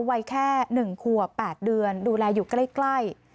วัยแค่หนึ่งครัวแปดเดือนดูแลอยู่ใกล้ใกล้